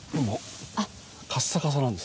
カッサカサなんです